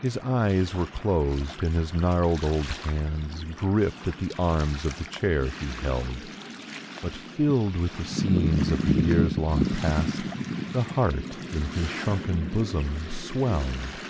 His eyes were closed and his gnarled old hands gripped at the arms of the chair he held. But filled with the scenes of the years long past, the heart in his shrunken bosom swelled.